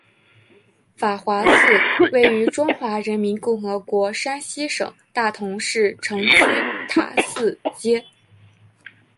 法华寺位于中华人民共和国山西省大同市城区塔寺街。